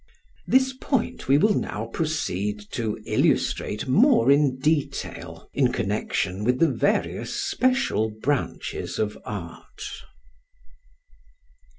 This point we will now proceed to illustrate more in detail in connection with the various special branches of art.